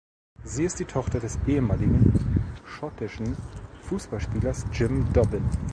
Sie ist die Tochter des ehemaligen schottischen Fußballspielers Jim Dobbin.